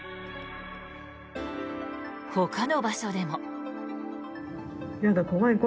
ほかの場所でも。